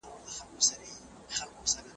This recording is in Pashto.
چي خپله ژبه لرو، خپلواکۍ ته زیان نه رسېږي.